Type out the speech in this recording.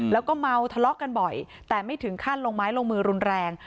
แล้วก็เมาทะเลาะกันบ่อยแต่ไม่ถึงขั้นลงไม้ลงมือรุนแรง